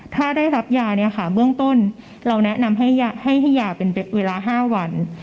ถ้าได้รับยาเบื้องต้นเราแนะนำให้ให้ยาเป็นเวลา๕วัน